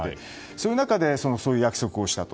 そういう中でそういう約束をしたと。